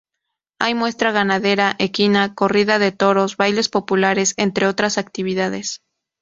Hay muestra ganadera, equina, corrida de toros, bailes populares, entre otras actividades.